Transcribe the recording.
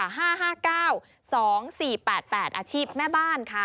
อาชีพแม่บ้านค่ะ